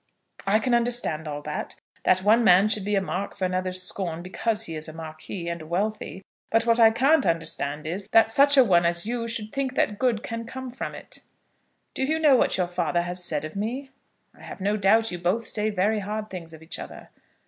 "I can understand all that, that one man should be a mark for another's scorn because he is a Marquis, and wealthy. But what I can't understand is, that such a one as you should think that good can come from it." "Do you know what your father has said of me?" "I've no doubt you both say very hard things of each other."